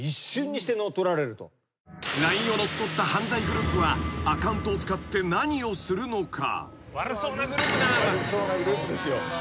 ［ＬＩＮＥを乗っ取った犯罪グループはアカウントを使って何をするのか？］